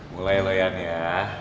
mulai lo ian ya